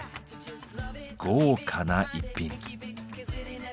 豪華な逸品。